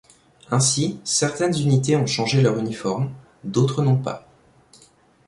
Ainsi, certaines unités ont changé leurs uniformes, d'autres n'ont pas.